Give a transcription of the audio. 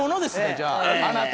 じゃああなた。